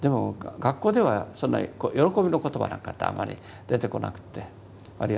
学校ではそんな喜びの言葉なんかあんまり出てこなくって割合